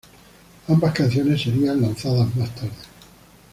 Ambas canciones serían lanzadas más tarde.